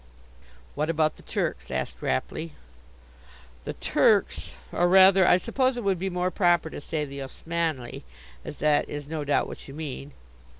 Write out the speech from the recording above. "What about the Turks?" asked Rapley. "The Turks, or rather, I suppose it would be more proper to say, the Osmanli, as that is no doubt what you mean?"